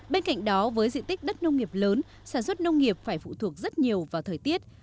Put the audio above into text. bên cạnh đó với diện tích đất nông nghiệp lớn sản xuất nông nghiệp phải phụ thuộc rất nhiều vào thời tiết